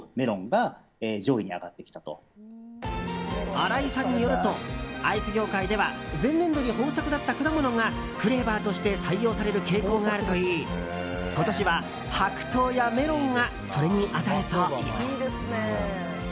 荒井さんによるとアイス業界では前年度に豊作だった果物がフレーバーとして採用される傾向があるといい今年は、白桃やメロンがそれに当たるといいます。